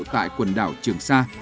tại quần đảo trường sa